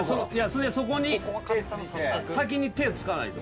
そこに先に手をつかないと。